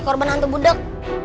korban hantu budeg